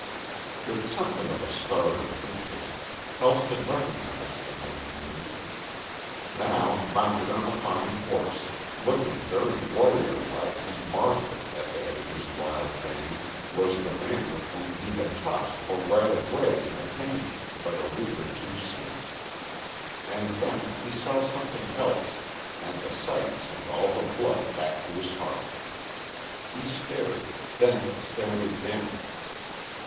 With something of a start of interest Helston recognised the man named. Now, mounted on a fine horse, looking very warrior like and martial at the head of his wild band, was the man with whom he had tossed for right of way in the tangi but a week or two since. And then he saw something else, and the sight sent all the blood back to his heart. He stared, then stared again.